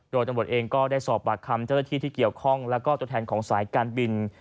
โดยตำรวจเองก็ได้สอบปากคำเจ้าหน้าที่ที่เกี่ยวข้องแล้วก็ตัวแทนของสายการบิน